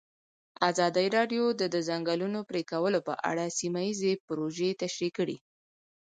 ازادي راډیو د د ځنګلونو پرېکول په اړه سیمه ییزې پروژې تشریح کړې.